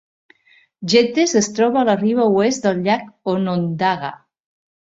Geddes es troba a la riba oest del llac Onondaga.